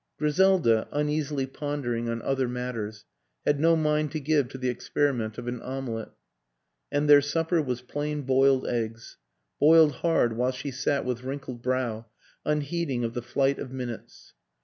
Griselda, uneasily pondering on other matters, had no mind to give to the experiment of an omelette, and their supper was plain boiled eggs boiled hard while she sat with wrinkled brow, unheeding of the flight of minutes.